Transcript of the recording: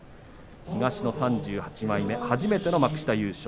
東の３８枚目で初めての幕下優勝。